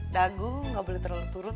dagu nggak boleh terlalu turun